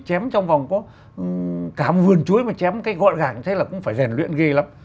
chém trong vòng có cả một vườn chuối mà chém cái gọn gàng như thế là cũng phải rèn luyện ghê lắm